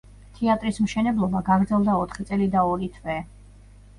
თეატრის მშენებლობა გაგრძელდა ოთხი წელი და ორი თვე.